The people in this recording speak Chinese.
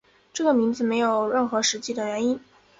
这个名字没有任何实际的原因。